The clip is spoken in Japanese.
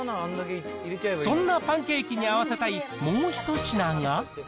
そんなパンケーキに合わせたいもう一品が。